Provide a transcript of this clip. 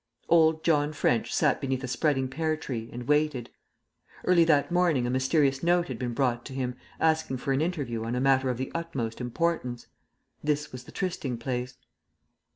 ]..... Old John French sat beneath a spreading pear tree, and waited. Early that morning a mysterious note had been brought to him, asking for an interview on a matter of the utmost importance. This was the trysting place.